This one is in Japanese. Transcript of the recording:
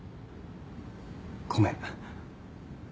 ごめん。